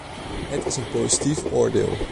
Het is een positief oordeel.